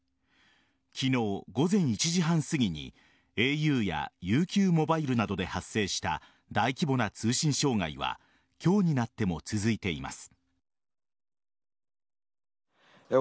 昨日午前１時半すぎにａｕやＵＱモバイルなどで発生した大規模な通信障害は今日になっても続いています。